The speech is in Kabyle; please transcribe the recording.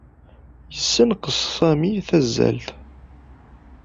Yessenqes Sami tazzalt.